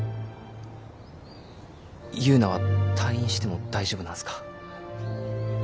ユウナは退院しても大丈夫なんすか？